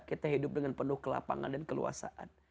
kita hidup dengan penuh kelapangan dan keluasaan